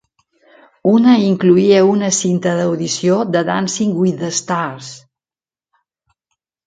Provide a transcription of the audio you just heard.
Una incloïa una cinta d'audició de Dancing with the Stars.